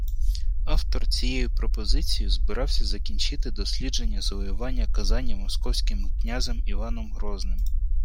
Автор цією пропозицією збирався закінчити дослідження завоювання Казані Московським князем Іваном Грозним